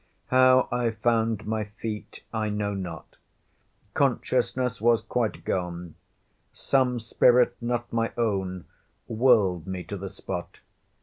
How I found my feet, I know not. Consciousness was quite gone. Some spirit, not my own, whirled me to the spot.